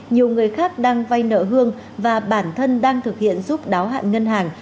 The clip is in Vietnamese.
nhiều người khác đang vay nợ hương và bản thân đang thực hiện giúp đáo hạn ngân hàng